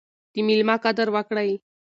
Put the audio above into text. د میلمه قدر وکړئ.